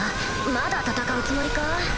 まだ戦うつもりか？